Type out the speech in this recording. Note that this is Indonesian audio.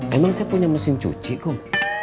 emang saya punya mesin cuci kok